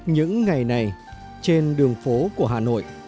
những ngày này trên đường phố của hà nội